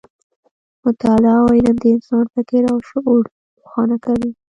مطالعه او علم د انسان فکر او شعور روښانه کوي.